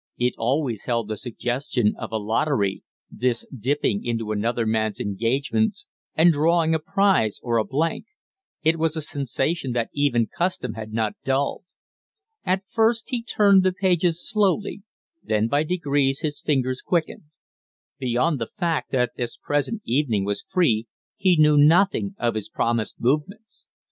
It always held the suggestion of a lottery this dipping into another man's engagements and drawing a prize or a blank. It was a sensation that even custom had not dulled. At first he turned the pages slowly, then by degrees his fingers quickened. Beyond the fact that this present evening was free, he knew nothing of his promised movements.